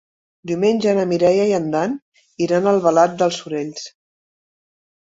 Diumenge na Mireia i en Dan iran a Albalat dels Sorells.